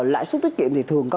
lại suất tiết kiệm thì thường có